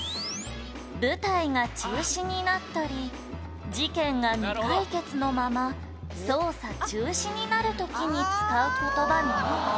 「舞台が中止になったり事件が未解決のまま捜査中止になる時に使う言葉ね」